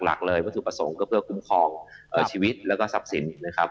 หลักเลยวัตถุประสงค์ก็เพื่อคุ้มครองชีวิตแล้วก็ทรัพย์สินนะครับ